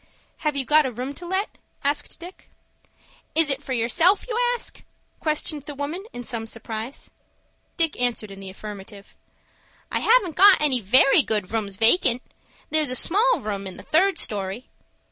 "Have you got a room to let?" asked Dick. "Is it for yourself you ask?" questioned the woman, in some surprise. Dick answered in the affirmative. "I haven't got any very good rooms vacant. There's a small room in the third story."